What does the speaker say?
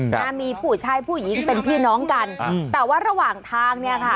นะมีผู้ชายผู้หญิงเป็นพี่น้องกันอืมแต่ว่าระหว่างทางเนี่ยค่ะ